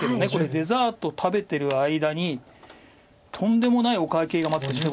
デザート食べてる間にとんでもないお会計が待ってます